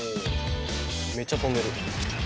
めっちゃ飛んでる！